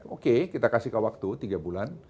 oke kita kasihkan waktu tiga bulan